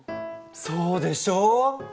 そうでしょう？